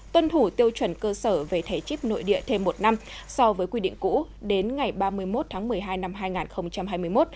tuân thủ tiêu chuẩn cơ sở về thẻ chip nội địa thêm một năm so với quy định cũ đến ngày ba mươi một tháng một mươi hai năm hai nghìn hai mươi một